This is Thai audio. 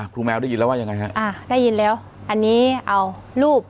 แมวได้ยินแล้วว่ายังไงฮะอ่าได้ยินแล้วอันนี้เอารูป